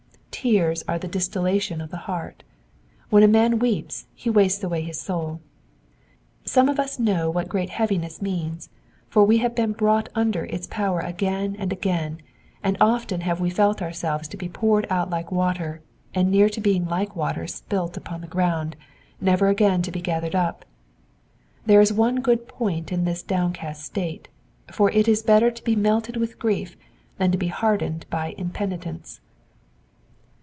Tears are the distillation of the heart ; when a man weeps he wastes away his soul. Some of us know what great heaviness means, for we have been brought under its power again and again, and often have we felt ourselves to be poured out like water, and near to being like water spilt upon the ground, never again to be gathered up. There is one good point in this downcast state, for it is better to be melted with grief than to be hardened by impenitence.